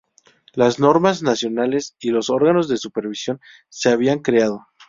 Las normas nacionales y los órganos de supervisión se habían creado.